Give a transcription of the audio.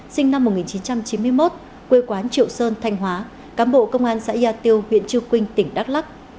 sinh năm một nghìn chín trăm chín mươi một quê quán triệu sơn thanh hóa cám bộ công an xã yà tiêu huyện trư quynh tỉnh đắk lắc